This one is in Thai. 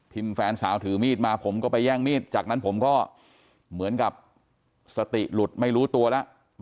แฟนสาวถือมีดมาผมก็ไปแย่งมีดจากนั้นผมก็เหมือนกับสติหลุดไม่รู้ตัวแล้ว